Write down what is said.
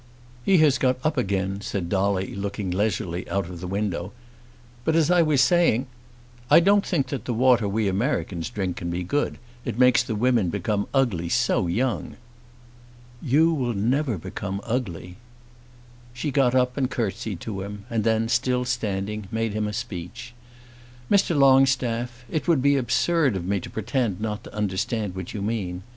"He has got up again," said Dolly, looking leisurely out of the window. "But as I was saying " "I don't think that the water we Americans drink can be good. It makes the women become ugly so young." "You will never become ugly." She got up and curtsied to him, and then, still standing, made him a speech. "Mr. Longstaff, it would be absurd of me to pretend not to understand what you mean.